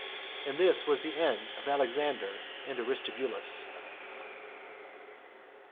And this was the end of Alexander and Aristobulus.